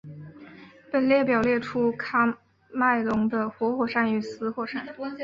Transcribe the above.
本列表列出喀麦隆的活火山与死火山。